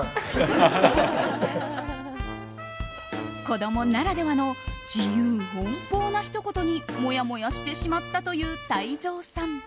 子供ならではの自由奔放なひと言にもやもやしてしまったという泰造さん。